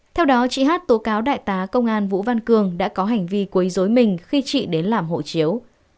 theo đó chị hát tố cáo đại tá công an vũ văn cường đã có hành vi quấy dối mình khi chị đến làm hộ chiếu